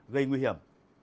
gây nguy hiểm